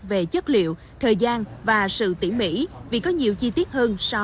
về chất liệu thời gian và sự tỉ mỉ vì có nhiều chi tiết hơn so với hình các loại khác